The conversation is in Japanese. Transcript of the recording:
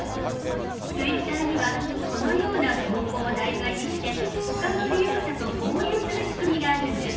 ツイッターにはこのような投稿を題材にして他の利用者と交流する仕組みがあるんです。